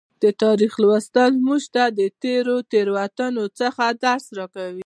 د تاریخ لوستل موږ ته د تیرو تیروتنو څخه درس راکوي.